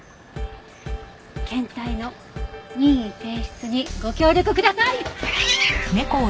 検体の任意提出にご協力ください！